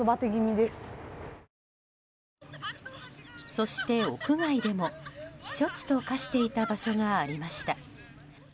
そして屋外でも避暑地と化していた場所がありました。